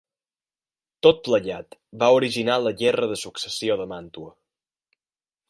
Tot plegat va originar la guerra de successió de Màntua.